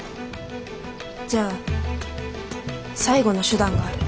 じゃあ最後の手段がある。